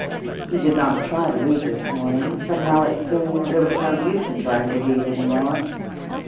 He did not try to read this morning; somehow it seemed there was no use in trying to read any more.